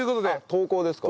投稿です。